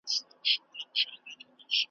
یوه حوره به راکښته سي له پاسه `